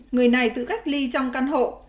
người này tự cách ly trong căn hộ